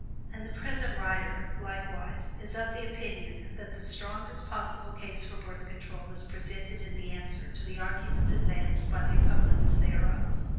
And, the present writer, likewise is of the opinion that the strongest possible case for Birth Control is presented in the answer to the arguments advanced by the opponents thereof.